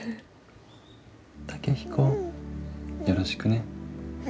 健彦よろしくね。